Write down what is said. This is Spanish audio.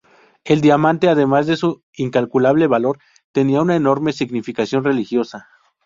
El diamante, además de su incalculable valor, tenía una enorme significación religiosa.